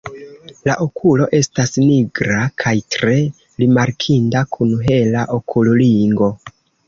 La okulo estas nigra kaj tre rimarkinda kun hela okulringo.